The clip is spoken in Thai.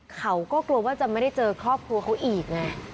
เขาก็กลัวว่าจะไม่ได้เจอครอบครัวเขาอีกไง